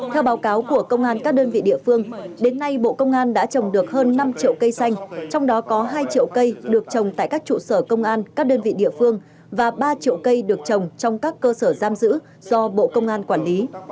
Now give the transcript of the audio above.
theo báo cáo của công an các đơn vị địa phương đến nay bộ công an đã trồng được hơn năm triệu cây xanh trong đó có hai triệu cây được trồng tại các trụ sở công an các đơn vị địa phương và ba triệu cây được trồng trong các cơ sở giam giữ do bộ công an quản lý